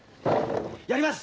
やります！